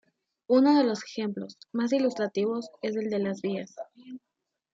Uno de los ejemplos más ilustrativos es el de las vías.